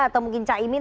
atau mungkin caimin